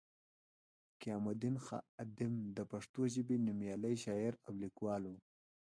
قیام الدین خادم د پښتو ژبې نومیالی شاعر او لیکوال وو